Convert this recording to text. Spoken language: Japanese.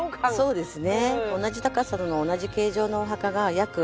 そうですね。